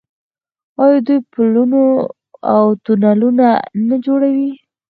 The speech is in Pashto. آیا دوی پلونه او تونلونه نه جوړوي؟